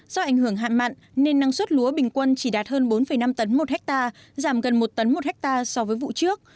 do ảnh hưởng hạn mặn nên năng suất lúa bình quân chỉ đạt hơn bốn năm tấn một hectare giảm gần một tấn một hectare so với vụ trước